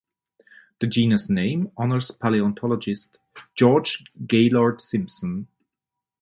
The genus name honors paleontologist George Gaylord Simpson.